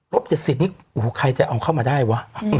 ลบ๗๐นี่ใครจะเอาเข้ามาได้วะ